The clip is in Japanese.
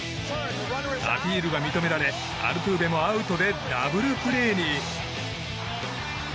アピールが認められアルトゥーベもアウトでダブルプレーに。